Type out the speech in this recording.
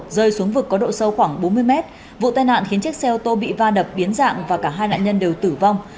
rơi xuống vực có độ sâu khoảng bốn mươi mét vụ tai nạn khiến chiếc xe ô tô bị va đập biến dạng và cả hai nạn nhân đều tử vong